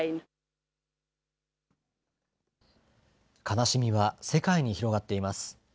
悲しみは世界に広がっています。